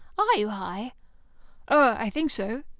Are you High?" "Oh, I think so.